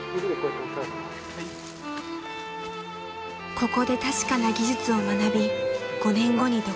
［ここで確かな技術を学び５年後に独立］